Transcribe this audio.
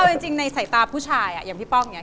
เอาจริงในใส่ตาผู้ชายอย่างพี่ป้องนี่